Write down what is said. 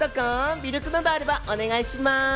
魅力などあればお願いします。